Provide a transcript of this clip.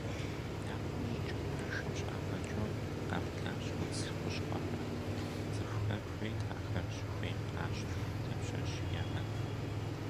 Япэ щӏыкӏэ пэшым щагъэкӏыу къаублащ удз хущхъуэхэр, цӏыхухэр хуейт ахэр щыхуейм къащтэу дапщэщи яӏэну.